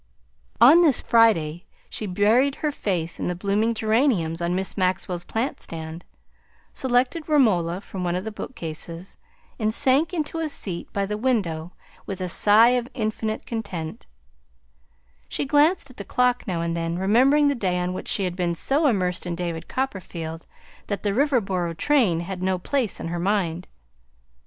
On this Friday she buried her face in the blooming geraniums on Miss Maxwell's plant stand, selected Romola from one of the bookcases, and sank into a seat by the window with a sigh of infinite content, She glanced at the clock now and then, remembering the day on which she had been so immersed in David Copperfield that the Riverboro train had no place in her mind.